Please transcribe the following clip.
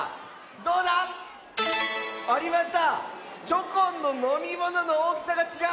どうだ⁉ありました！